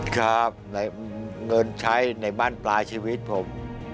ใช้เงินใช้ในบ้านปลายชีวิตผม